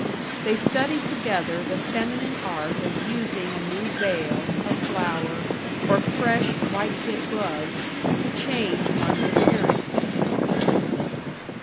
They studied together the feminine art of using a new veil, a flower, or fresh white kid gloves, to change one's appearance.